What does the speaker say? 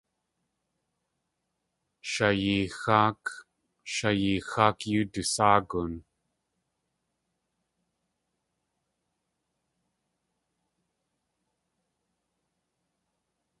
Shaayee Xáak. Shaayee Xáak yóo dusáagun.